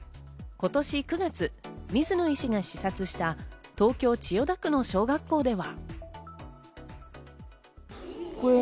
今年９月、水野医師が視察した東京・千代田区の小学校では。